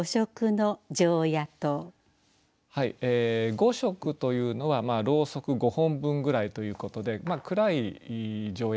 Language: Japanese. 五燭というのはろうそく５本分ぐらいということで暗い常夜灯なんですね。